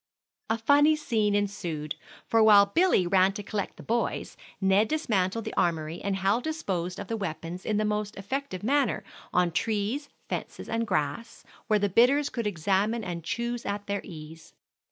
A funny scene ensued; for while Billy ran to collect the boys, Ned dismantled the armory, and Hal disposed of the weapons in the most effective manner, on trees, fences, and grass, where the bidders could examine and choose at their ease.